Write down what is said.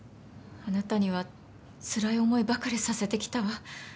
あなたにはつらい思いばかりさせてきたわ。